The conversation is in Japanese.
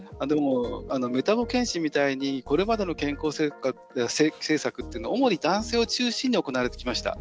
メタボ健診みたいにこれまでの健康政策というのは主に男性を中心に行われてきました。